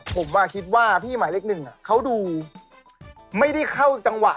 ผมคิดว่าพี่หมายเลขหนึ่งเขาดูไม่ได้เข้าจังหวะ